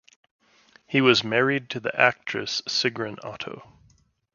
He was married to the actress Sigrun Otto.